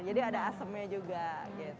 ada asemnya juga gitu